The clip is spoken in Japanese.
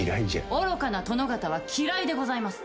「愚かな殿方は嫌いでございます」